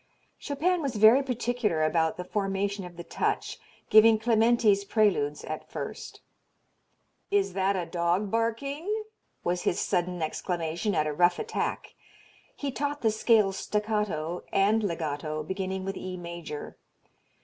Chopin was very particular about the formation of the touch, giving Clementi's Preludes at first. "Is that a dog barking?" was his sudden exclamation at a rough attack. He taught the scales staccato and legato beginning with E major.